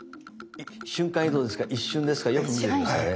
瞬間移動ですから一瞬ですからよく見て下さいね。